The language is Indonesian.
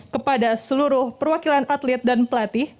kepada seluruh perwakilan atlet dan pelatih